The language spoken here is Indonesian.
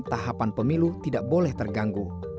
tahapan pemilu tidak boleh terganggu